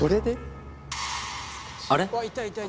あれ？